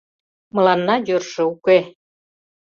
Мыланна йӧршӧ уке.